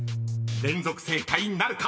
［連続正解なるか］